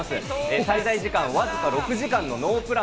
滞在時間わずか６時間のノープラン